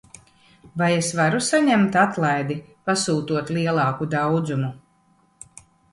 Vai es varu saņemt atlaidi, pasūtot lielāku daudzumu?